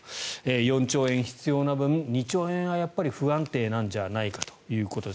４兆円必要な分２兆円はやっぱり不安定なんじゃないかということです。